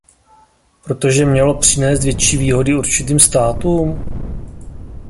Protože mělo přinést větší výhody určitým státům?